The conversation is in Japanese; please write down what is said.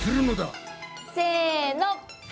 せの！